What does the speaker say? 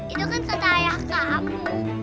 itu kan kata ayah kamu